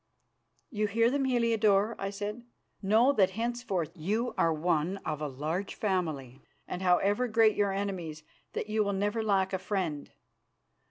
"You hear them, Heliodore," I said. "Know that henceforth you are one of a large family, and, however great your enemies, that you will never lack a friend.